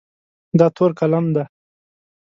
دا تور قلم دی.